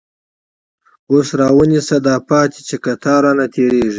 اوس راونیسه داپاتی، چی قطار رانه تير یږی